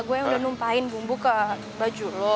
gue yang udah numpahin bumbu ke baju lo